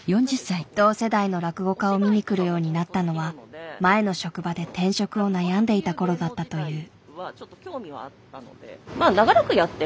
同世代の落語家を見に来るようになったのは前の職場で転職を悩んでいた頃だったという。